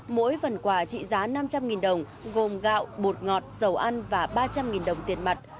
mỗi phần quà trị giá năm trăm linh đồng gồm gạo bột ngọt dầu ăn và ba trăm linh đồng tiền mặt